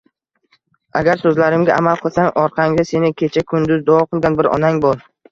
Agar so'zlarimga amal qilsang orqangda seni kecha-kunduz duo qilgan bir onang bor.